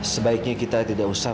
sebaiknya kita tidak usah